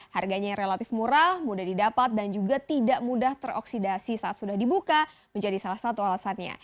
harganya yang relatif murah mudah didapat dan juga tidak mudah teroksidasi saat sudah dibuka menjadi salah satu alasannya